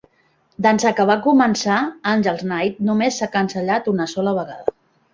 D'ençà que va començar, Angels' NIght només s'ha cancel·lat una sola vegada.